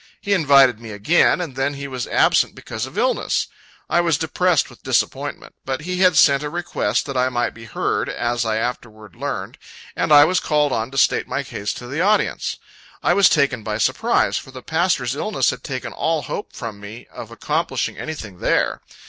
He invited me again, and then he was absent because of illness. I was depressed with disappointment; but he had sent a request that I might be heard, (as I afterward learned,) and I was called on to state my case to the audience. I was taken by surprise, for the pastor's illness had taken all hope from me of accomplishing anything there.